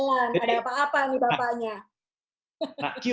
ada apa apa nih bapaknya